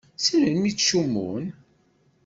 Si melmi i ttcummun?